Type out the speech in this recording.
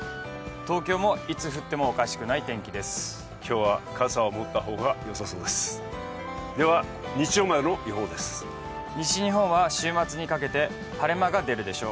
東京もいつ降ってもおかしくない天気です。